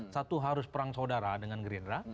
satu harus perang saudara dengan gerindra